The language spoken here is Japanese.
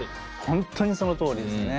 本当にそのとおりですね。